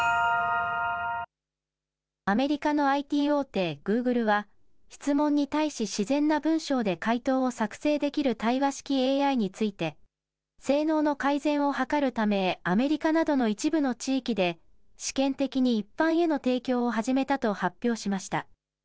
アメリカのＩＴ大手、グーグルは、質問に対し自然な文章で回答を作成できる対話式ＡＩについて、性能の改善を図るため、アメリカなどの一部の地域で、試験的に一般への提供を始めたと発表しました。